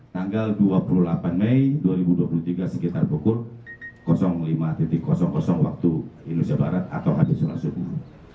tanggal dua puluh delapan mei dua ribu dua puluh tiga sekitar pukul lima waktu indonesia barat atau hadir sholat subuh